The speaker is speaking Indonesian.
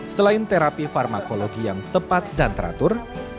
selain terapi farmakologi yang tepat dan teratur